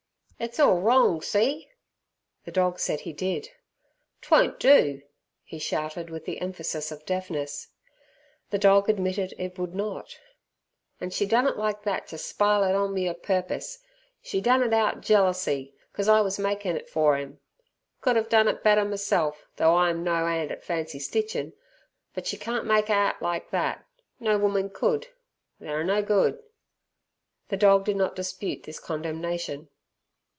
"It's orl wrong, see!" The dog said he did. "'Twon't do!" he shouted with the emphasis of deafness. The dog admitted it would not. "An' she done it like thet, ter spile it on me er purpus. She done it outa jealersy, cos I was makin' it for 'im. Could 'ave done it better meself, though I'm no 'and at fancy stitchin'. But she can't make a 'at like thet. No woman could. The're no good." The dog did not dispute this condemnation.